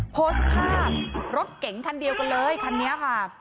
โพสต์ภาพรถเก๋งคันเดียวกันเลยคันนี้ค่ะ